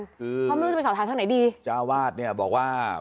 คือความรู้จะเป็นสอบถามทั้งไหนดีจ้าวาดเนี่ยบอกว่า